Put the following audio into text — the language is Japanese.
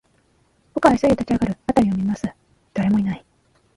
僕は急いで立ち上がる、辺りを見回す、誰もいない